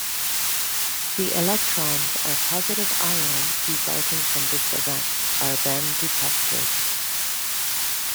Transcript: The electrons or positive ions resulting from this event are then detected.